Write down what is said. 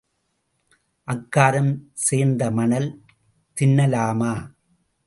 அக்காரம் சேர்ந்த மணல் தின்னலாமா?